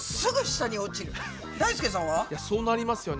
そうなりますよね。